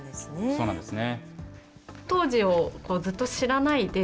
そうなんですね。